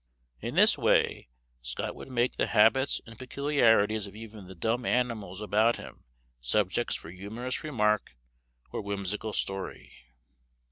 In this way Scott would make the habits and peculiarities of even the dumb animals about him subjects for humorous remark or whimsical story.